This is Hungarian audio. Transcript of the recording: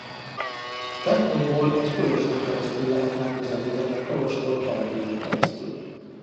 A templomból egy folyosón keresztül lehet megközelíteni a kolostor kerengőjén keresztül.